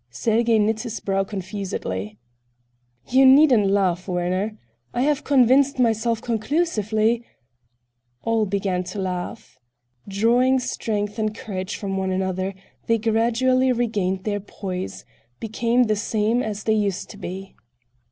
Sergey knit his brow confusedly. "You needn't laugh, Werner. I have convinced myself conclusively—" All began to laugh. Drawing strength and courage from one another, they gradually regained their poise—became the same as they used to be.